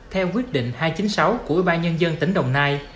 theo quyết định hai trăm chín mươi sáu của ủy ban nhân dân tỉnh đồng nai